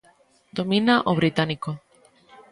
Domina o británico.